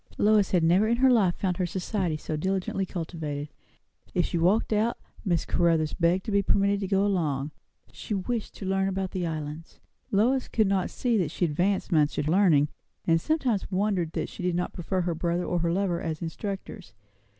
Lois had never in her life found her society so diligently cultivated. If she walked out, Miss Caruthers begged to be permitted to go along; she wished to learn about the Islands. Lois could not see that she advanced much in learning; and sometimes wondered that she did not prefer her brother or her lover as instructors.